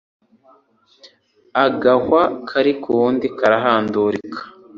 Agahwa kari k'uwundi karahandurika.